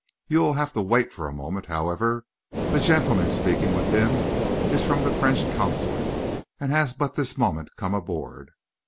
You will have to wait for a moment, however; the gentleman speaking with him is from the French consulate, and has but this moment come aboard."